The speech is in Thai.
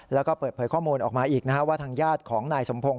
แล้วก็เปิดเผยข้อมูลออกมาอีกว่าทางญาติของนายสมพงศ